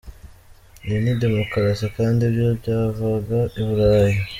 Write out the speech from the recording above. Iyo ni demokarasi? Kandi ibyo byavaga i Burayi.